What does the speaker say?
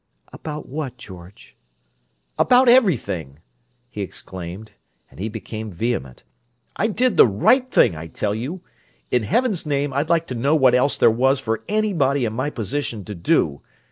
"About what, George?" "About everything!" he exclaimed; and he became vehement. "I did the right thing, I tell you! In heaven's name, I'd like to know what else there was for anybody in my position to do!